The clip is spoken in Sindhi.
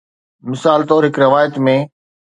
مثال طور، هڪ روايت ۾